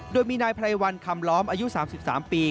โดยมีนายไพรวันคำล้อมอายุ๓๓ปี